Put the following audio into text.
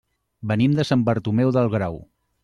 Venim de Sant Bartomeu del Grau.